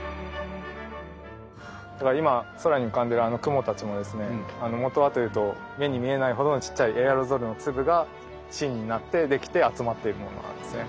だから今空に浮かんでるあの雲たちもですねもとはというと目に見えないほどのちっちゃいエアロゾルの粒が芯になってできて集まっているものなんですね。